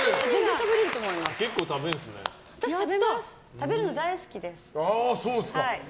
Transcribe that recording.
食べるの大好きです。